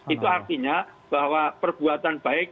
itu artinya bahwa perbuatan baik